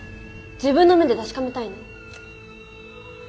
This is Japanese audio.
自分の目で確かめたいの。